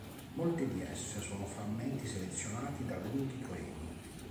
Molte di esse sono frammenti selezionati da lunghi poemi.